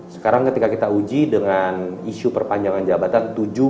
sekarang ketika kita uji dengan isu perpanjangan jabatan